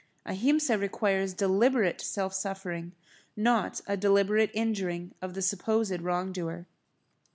Ahimsa requires deliberate self suffering, not a deliberate injuring of the supposed wrong doer.